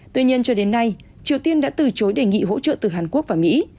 tuy nhiên cho đến nay triều tiên đã từ chối đề nghị hỗ trợ từ hàn quốc và mỹ